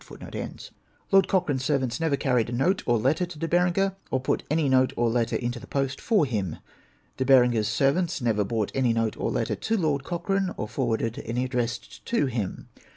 f Lord Cochrane's servants never carried a note or letter to De Berenger, or put any note or letter into the post for him. De Berenger's servants never brought any note or letter to Lord Cochrane, or forw^arded any addressed to him.